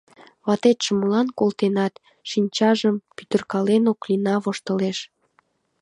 Ватетшым молан колтенат? — шинчажым пӱтыркален, Оклина воштылеш.